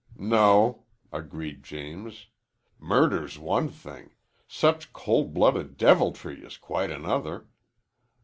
"No," agreed James. "Murder's one thing. Such coldblooded deviltry is quite another.